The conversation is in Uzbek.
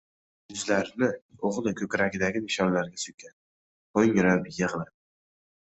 Yuzlarini o‘g‘li ko‘kragidagi nishonlarga suykadi, ho‘ngrab yig‘ladi.